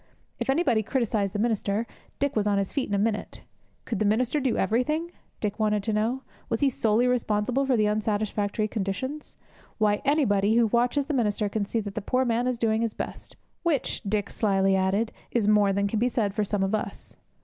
If anybody criticized the minister, Dick was on his feet in a minute. Could the minister do everything? Dick wanted to know. Was he solely responsible for the unsatisfactory conditions? Why, anybody who watches the minister can see that the poor man is doing his best, which, Dick slyly added, is more than can be said for some of us!